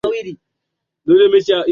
Mtoto wake ni mfupi